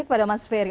kepada mas ferry